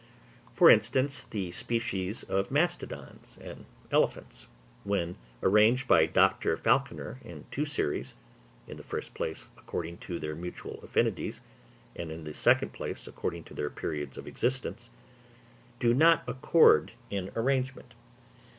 For instance, the species of mastodons and elephants, when arranged by Dr. Falconer in two series—in the first place according to their mutual affinities, and in the second place according to their periods of existence—do not accord in arrangement.